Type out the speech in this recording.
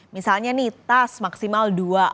misalnya nih tas maksimal dua